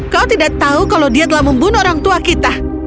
kau tidak tahu kalau dia telah membunuh orang tua kita